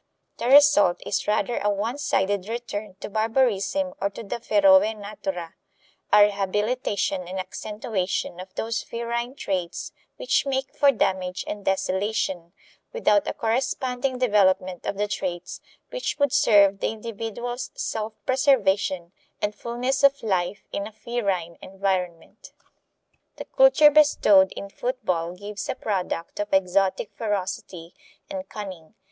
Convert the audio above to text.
The result is rather a one sided return to barbarism or to the feroe natura a rehabilitation and accentuation of those ferine traits which make for damage and desolation, without a corresponding development of the traits which would serve the individual's self preservation and fullness of life in a ferine environment. The culture bestowed in football gives a product of exotic ferocity and cunning.